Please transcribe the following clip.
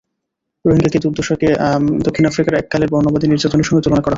রোহিঙ্গাদের দুর্দশাকে দক্ষিণ আফ্রিকার এককালের বর্ণবাদী নির্যাতনের সঙ্গে তুলনা করা হয়।